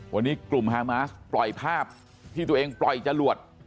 วันนี้กลุ่มฮามาสปล่อยภาพที่ตัวเองปล่อยจรวด